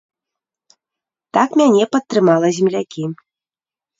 Так мяне падтрымала землякі.